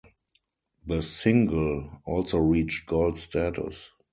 The single also reached gold status.